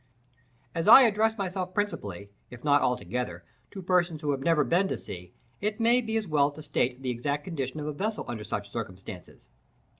As I address myself principally, if not altogether, to persons who have never been to sea, it may be as well to state the exact condition of a vessel under such circumstances.